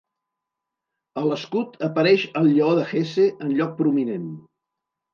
A l'escut apareix el lleó de Hesse en lloc prominent.